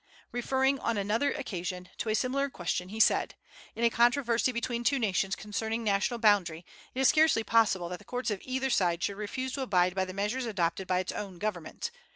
Referring, on another occasion, to a similar question, he said: "In a controversy between two nations concerning national boundary, it is scarcely possible that the courts of either side should refuse to abide by the measures adopted by its own government....